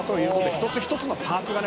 一つ一つのパーツがね」